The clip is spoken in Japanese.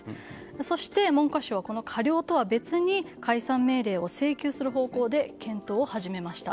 そして、文科省はこの過料とは別に、解散命令を請求する方向で検討を始めました。